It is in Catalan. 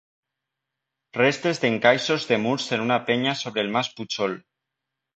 Restes d'encaixos de murs en una penya sobre el mas Pujol.